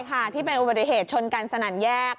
ค่ะที่เป็นอุบัติเหตุชนกันสนั่นแยก